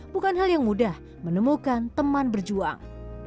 bukan hal yang mudah menemukan teman berjuang